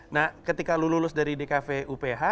nah ketika lu lulus dari dkv uph